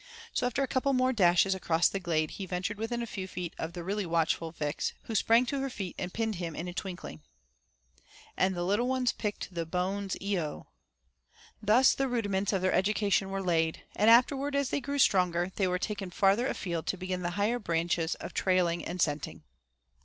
So after a couple more dashes across the glade he ventured within a few feet of the really watchful Vix, who sprang to her feet and pinned him in a twinkling. "And the little ones picked the bones e oh." Thus the rudiments of their education were laid, and afterward as they grew stronger they were taken farther afield to begin the higher branches of trailing and scenting.